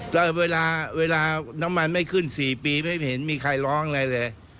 ก็เวลาน้ำมันไม่ขึ้น๔ปีไม่เห็นมีใครร้องอะไรเลย